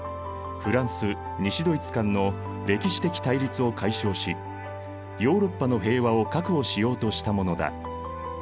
フランス西ドイツ間の歴史的対立を解消しヨーロッパの平和を確保しようとしたものだ。